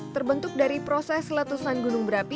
terbentuk dari proses letusan gunung berapi